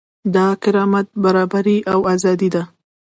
دا کرامت، برابري او ازادي ده.